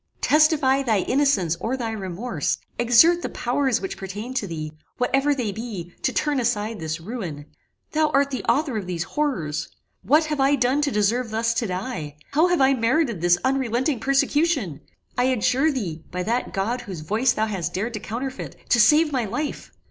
"Testify thy innocence or thy remorse: exert the powers which pertain to thee, whatever they be, to turn aside this ruin. Thou art the author of these horrors! What have I done to deserve thus to die? How have I merited this unrelenting persecution? I adjure thee, by that God whose voice thou hast dared to counterfeit, to save my life!